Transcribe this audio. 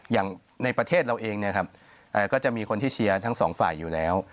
อย่างในประเทศเราเองเนี่ยครับก็จะมีคนที่เชียร์ทั้งสองฝ่ายอยู่แล้ว